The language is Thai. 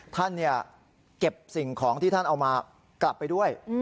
ท่านเก็บสิ่งของที่ท่านเอามากลับไปด้วย